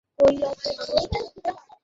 বললে, নিজের চিঠিও কি চুরি করে পড়তে হবে?